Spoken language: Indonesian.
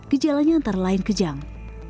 kejalanya antara lain kejang